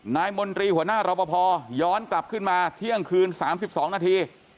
มนตรีหัวหน้ารอปภย้อนกลับขึ้นมาเที่ยงคืน๓๒นาที